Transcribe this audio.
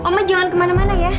oma jangan kemana mana ya